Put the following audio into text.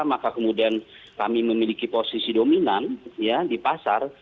maka kemudian kami memiliki posisi dominan di pasar